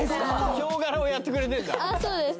ヒョウ柄をやってくれてんだああそうです